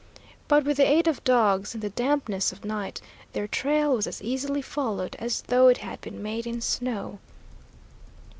But with the aid of dogs and the dampness of night, their trail was as easily followed as though it had been made in snow.